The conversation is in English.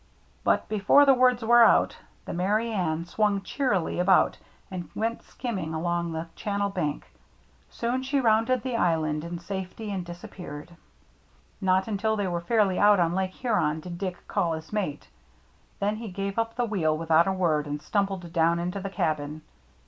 But before the words were out, the Merry Anne swung cheerily about and went skim ming along the channel bank. Soon she rounded the island in safety and disappeared. Not until they were fairly out on Lake Huron did Dick call his mate. Then he gave up the wheel without a word and stum bled down into the cabin.